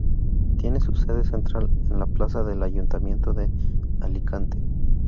Tiene su sede central en la Plaza del Ayuntamiento de Alicante.